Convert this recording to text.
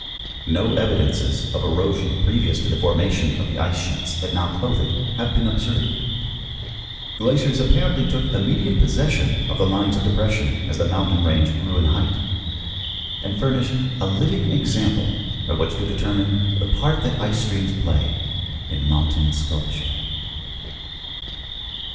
No evidences of erosion previous to the formation of the ice sheets that now clothe it have been observed. Glaciers apparently took immediate possession of the lines of depression as the mountain range grew in height, and furnish a living example from which to determine the, part that ice streams play in mountain sculpture.